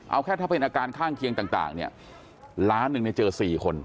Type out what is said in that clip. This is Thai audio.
เอาแค่ถ้าเป็นอาการข้างเคียงต่างเนี่ยล้านหนึ่งเนี่ยเจอ๔คน